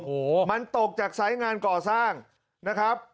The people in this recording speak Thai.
โอ้โหมันตกจากสายงานก่อสร้างนะครับ